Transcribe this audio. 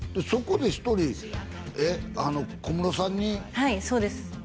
そこで１人あの小室さんにはいそうです